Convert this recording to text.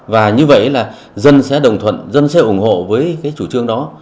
và như vậy là dân sẽ đồng thuận dân sẽ ủng hộ với cái chủ trương đó